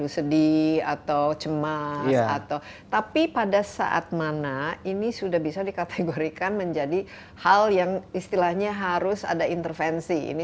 sedih atau cemas atau tapi pada saat mana ini sudah bisa dikategorikan menjadi hal yang istilahnya harus ada intervensi ini